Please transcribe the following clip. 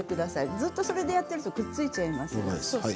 ずっと、それでやっていくとくっついちゃいます。